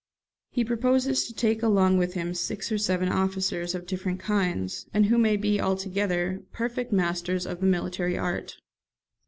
He proposes to take along with him six or seven officers, of different kinds, and who may be, altogether, perfect masters of the military art.